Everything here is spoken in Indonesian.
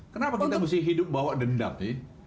kenapa kita mesti hidup bawa dendam nih